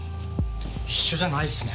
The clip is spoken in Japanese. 一緒じゃないっすね。